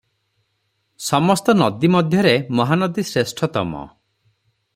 ସମସ୍ତ ନଦୀ ମଧ୍ୟରେ ମହାନଦୀ ଶ୍ରେଷ୍ଠତମ ।